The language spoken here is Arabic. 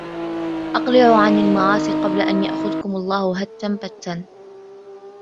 أَقْلِعُوا عَنْ الْمَعَاصِي قَبْلَ أَنْ يَأْخُذَكُمْ اللَّهُ هَتًّا بَتًّا